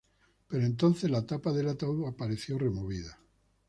Pero entonces la tapa del ataúd apareció removida.